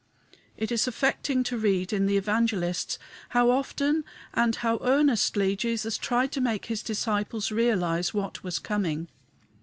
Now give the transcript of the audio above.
It is affecting to read in the Evangelists how often and how earnestly Jesus tried to make his disciples realize what was coming.